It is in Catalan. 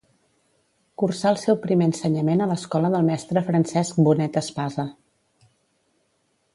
Cursà el seu primer ensenyament a l'escola del mestre Francesc Bonet Espasa.